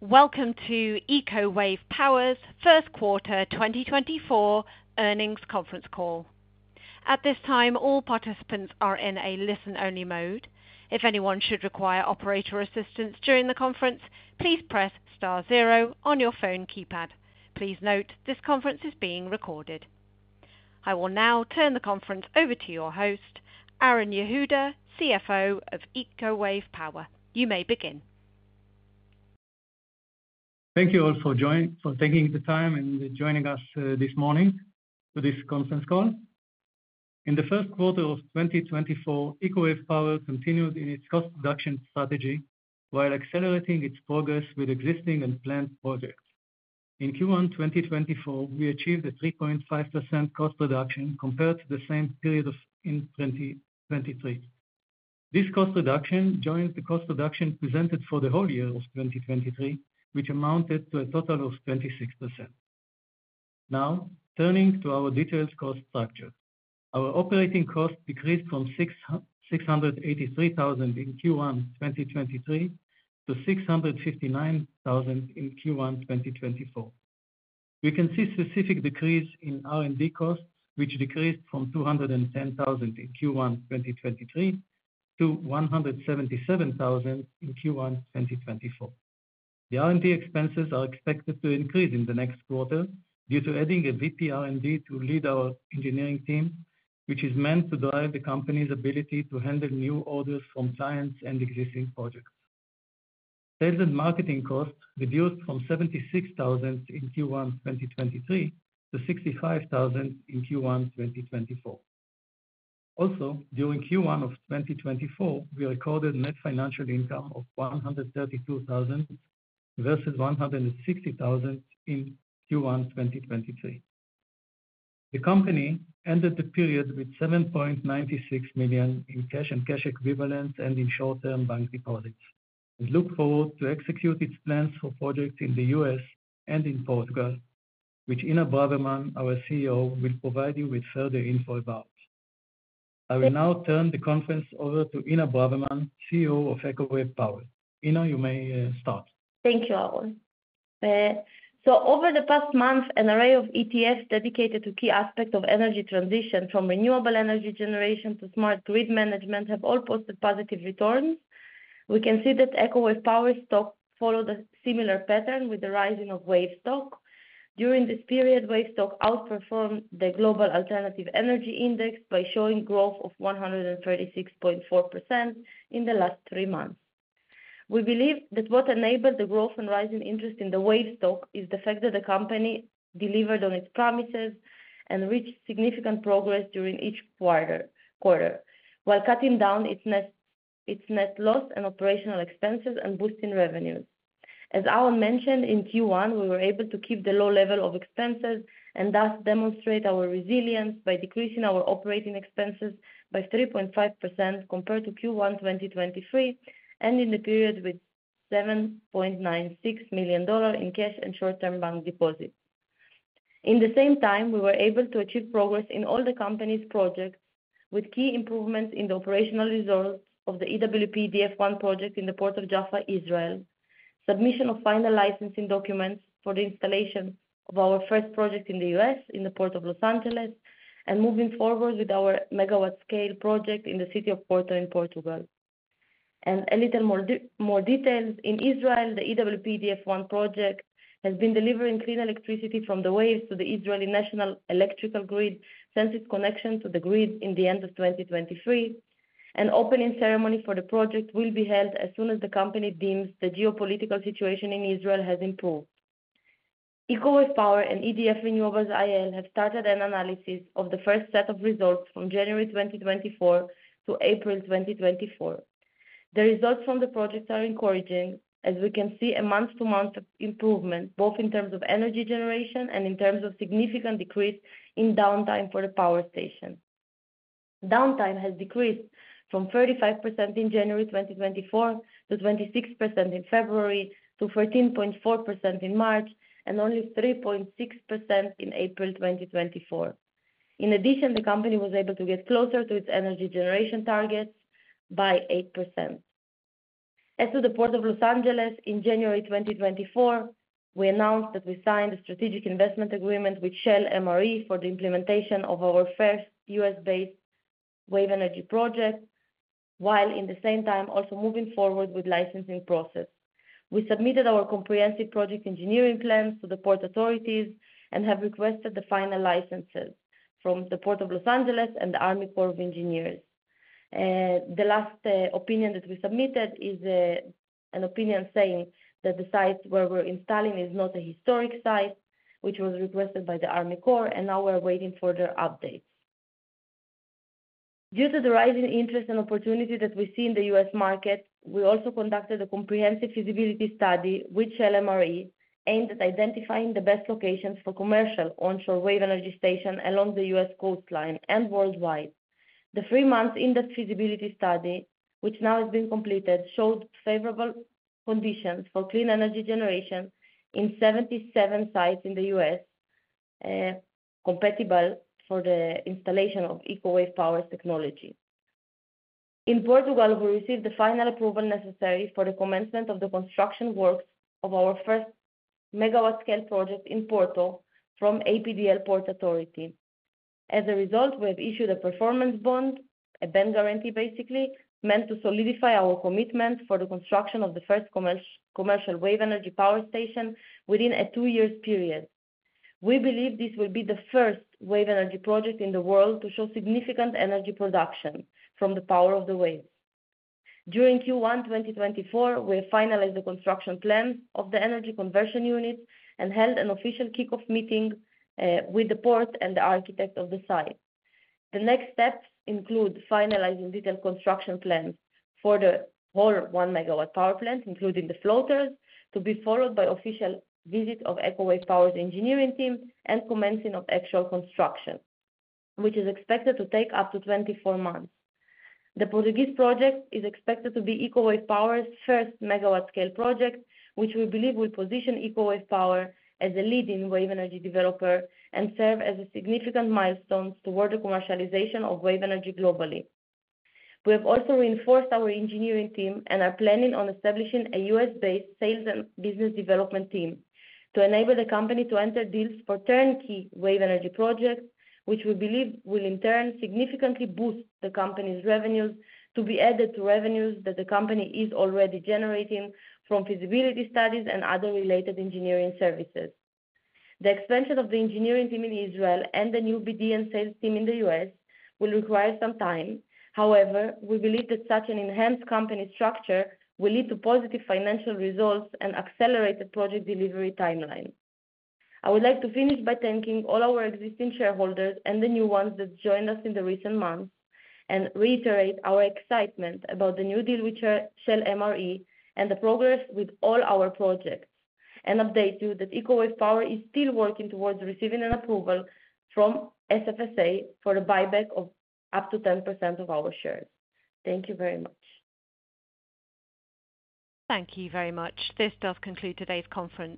Welcome to Eco Wave Power's first quarter 2024 earnings conference call. At this time, all participants are in a listen-only mode. If anyone should require operator assistance during the conference, please press star zero on your phone keypad. Please note, this conference is being recorded. I will now turn the conference over to your host, Aharon Yehuda, CFO of Eco Wave Power. You may begin. Thank you all for joining for taking the time and joining us this morning for this conference call. In the first quarter of 2024, Eco Wave Power continued in its cost reduction strategy while accelerating its progress with existing and planned projects. In Q1 2024, we achieved a 3.5% cost reduction compared to the same period in 2023. This cost reduction joins the cost reduction presented for the whole year of 2023, which amounted to a total of 26%. Now, turning to our detailed cost structure. Our operating costs decreased from $683,000 in Q1 2023 to $659,000 in Q1 2024. We can see specific decrease in R&D costs, which decreased from $210,000 in Q1 2023 to $177,000 in Q1 2024. The R&D expenses are expected to increase in the next quarter due to adding a VP R&D to lead our engineering team, which is meant to drive the company's ability to handle new orders from clients and existing projects. Sales and marketing costs reduced from $76,000 in Q1 2023 to $65,000 in Q1 2024. Also, during Q1 of 2024, we recorded net financial income of $132,000 versus $160,000 in Q1 2023. The company ended the period with $7.96 million in cash and cash equivalents and in short-term bank deposits. We look forward to execute its plans for projects in the U.S. and in Portugal, which Inna Braverman, our CEO, will provide you with further info about. I will now turn the conference over to Inna Braverman, CEO of Eco Wave Power. Inna, you may start. Thank you, Aharon. So over the past month, an array of ETFs dedicated to key aspects of energy transition, from renewable energy generation to smart grid management, have all posted positive returns. We can see that Eco Wave Power stock followed a similar pattern with the rising of Wave stock. During this period, wave stock outperformed the Global Alternative Energy Index by showing growth of 136.4% in the last three months. We believe that what enabled the growth and rising interest in the Wave stock is the fact that the company delivered on its promises and reached significant progress during each quarter while cutting down its net loss and operational expenses and boosting revenues. As Aharon mentioned, in Q1, we were able to keep the low level of expenses and thus demonstrate our resilience by decreasing our operating expenses by 3.5% compared to Q1 2023, ending the period with $7.96 million in cash and short-term bank deposits. In the same time, we were able to achieve progress in all the company's projects, with key improvements in the operational results of the EWP-EDF One project in the Port of Jaffa, Israel. Submission of final licensing documents for the installation of our first project in the U.S., in the Port of Los Angeles, and moving forward with our megawatt-scale project in the city of Porto in Portugal. And a little more details. In Israel, the EWP-EDF One project has been delivering clean electricity from the waves to the Israeli National Electrical Grid since its connection to the grid in the end of 2023. An opening ceremony for the project will be held as soon as the company deems the geopolitical situation in Israel has improved. Eco Wave Power and EDF Renewables Israel have started an analysis of the first set of results from January 2024 to April 2024. The results from the projects are encouraging, as we can see a month-to-month improvement, both in terms of energy generation and in terms of significant decrease in downtime for the power station. Downtime has decreased from 35% in January 2024, to 26% in February, to 13.4% in March, and only 3.6% in April 2024. In addition, the company was able to get closer to its energy generation targets by 8%. As to the Port of Los Angeles, in January 2024, we announced that we signed a strategic investment agreement with Shell MRE for the implementation of our first U.S. based wave energy project, while in the same time, also moving forward with licensing process. We submitted our comprehensive project engineering plans to the port authorities and have requested the final licenses from the Port of Los Angeles and the Army Corps of Engineers. The last opinion that we submitted is an opinion saying that the site where we're installing is not a historic site, which was requested by the Army Corps, and now we're waiting for their updates. Due to the rising interest and opportunity that we see in the U.S. market, we also conducted a comprehensive feasibility study with Shell MRE, aimed at identifying the best locations for commercial onshore wave energy stations along the U.S. coastline and worldwide. The three-month in-depth feasibility study, which now has been completed, showed favorable conditions for clean energy generation in 77 sites in the U.S., compatible for the installation of Eco Wave Power's technology. In Portugal, we received the final approval necessary for the commencement of the construction works of our first megawatt-scale project in Porto from APDL Port Authority. As a result, we have issued a performance bond, a bank guarantee, basically, meant to solidify our commitment for the construction of the first commercial wave energy power station within a two-year period. We believe this will be the first wave energy project in the world to show significant energy production from the power of the waves. During Q1 2024, we finalized the construction plans of the energy conversion unit and held an official kickoff meeting with the port and the architect of the site. The next steps include finalizing detailed construction plans for the whole 1 MW power plant, including the floaters, to be followed by official visit of Eco Wave Power's engineering team and commencing of actual construction, which is expected to take up to 24 months. The Portuguese project is expected to be Eco Wave Power's first megawatt-scale project, which we believe will position Eco Wave Power as a leading wave energy developer and serve as a significant milestone toward the commercialization of wave energy globally. We have also reinforced our engineering team and are planning on establishing a U.S. based sales and business development team to enable the company to enter deals for turnkey wave energy projects, which we believe will, in turn, significantly boost the company's revenues to be added to revenues that the company is already generating from feasibility studies and other related engineering services. The expansion of the engineering team in Israel and the new BD and sales team in the U.S. will require some time. However, we believe that such an enhanced company structure will lead to positive financial results and accelerate the project delivery timeline. I would like to finish by thanking all our existing shareholders and the new ones that joined us in the recent months, and reiterate our excitement about the new deal with Shell MRE and the progress with all our projects, and update you that Eco Wave Power is still working towards receiving an approval from SFSA for a buyback of up to 10% of our shares. Thank you very much. Thank you very much. This does conclude today's conference.